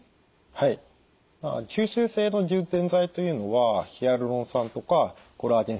はい吸収性の充填剤というのはヒアルロン酸とかコラーゲン製剤になります。